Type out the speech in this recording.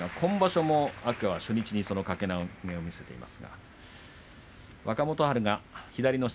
今場所も天空海は初日に掛け投げを見せています。